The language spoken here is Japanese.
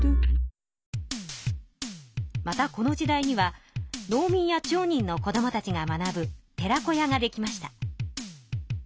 またこの時代には農民や町人の子どもたちが学ぶ寺子屋ができました。